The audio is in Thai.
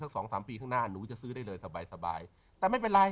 สัก๒๓ปีข้างหน้าหนูจะซื้อได้เลยสบาย